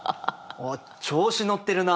あっ調子乗ってるなあ。